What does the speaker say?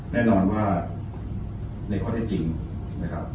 แน่นอนว่าในข้อเท็จจริงนะครับ